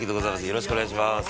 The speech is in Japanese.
よろしくお願いします。